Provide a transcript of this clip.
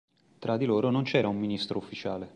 Tra di loro non c'era un ministro ufficiale.